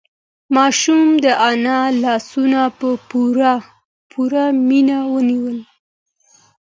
ماشوم د انا لاسونه په پوره مینه ونیول.